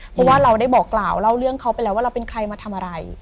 เพราะว่าเราได้บอกกล่าวเล่าเรื่องเขาไปแล้วว่าเราเป็นใครมาทำอะไร